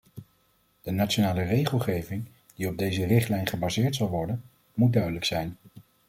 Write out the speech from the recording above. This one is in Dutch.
De nationale regelgeving die op deze richtlijn gebaseerd zal worden, moet duidelijk zijn.